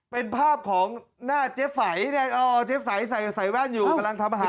เป็นภาพของหน้าเจ๊ไฝเจ๊ใส่ใส่แว่นอยู่กำลังทำอาหาร